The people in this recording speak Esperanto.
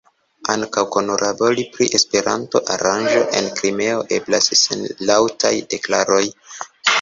Ankaŭ kunlabori pri Esperanto-aranĝo en Krimeo eblas sen laŭtaj deklaroj.